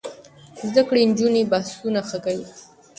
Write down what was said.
زده کړې نجونې بحثونه ښه کوي.